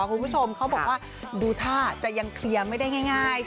คุณผู้ชมเขาบอกว่าดูท่าจะยังเคลียร์ไม่ได้ง่าย